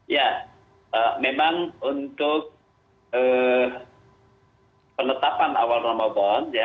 ya memang untuk penetapan awal ramadan